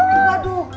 apa susah nih